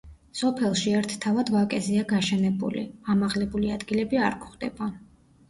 სოფელში ერთთავად ვაკეზეა გაშენებული, ამაღლებული ადგილები არ გვხვდება.